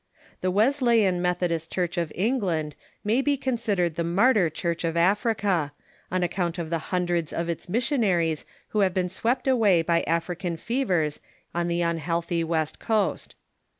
The Wesleyan Methodist Church of England may be considered the martyr Church of Africa, on account of the hundreds of its missionaries who have been swept away by African fevers on the unhealthy west coast.